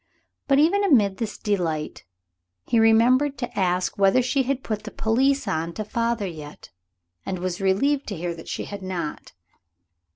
But even amid this delight he remembered to ask whether she had put the police on to father yet, and was relieved to hear that she had not.